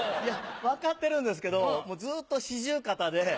分かってるんですけどずっと四十肩で。